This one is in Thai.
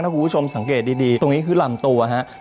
ถ้าคุณผู้ชมสังเกตดีตรงนี้คือหล่ำตัวครับ